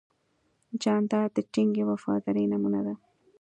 جانداد د ټینګې وفادارۍ نمونه ده.